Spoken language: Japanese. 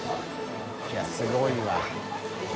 いすごいわ。